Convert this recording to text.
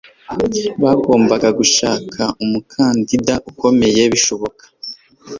bagombaga gushaka umukandida ukomeye bishoboka